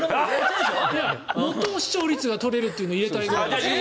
最も視聴率が取れるというのを入れたいぐらい。